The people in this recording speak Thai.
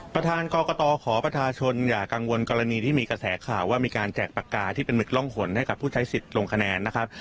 ประธานกรกตขอประชาชนอย่ากังวลกรณีที่มีกระแสข่าวว่ามีการแจกปากกาที่เป็นหึกร่องหนให้กับผู้ใช้สิทธิ์ลงคะแนนนะครับ